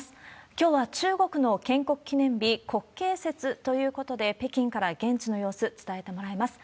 きょうは中国の建国記念日、国慶節ということで、北京から現地の様子、伝えてもらいます。